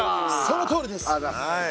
そのとおりです。